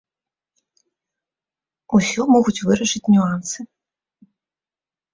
Усё могуць вырашыць нюансы.